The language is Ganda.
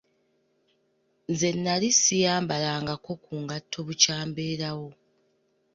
Nze nali siyambalangako ku ngatto bukya mbeerawo.